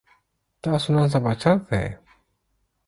تاسو نن سبا چرته يئ؟